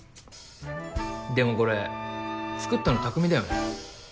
でもこれ作ったの匠だよね？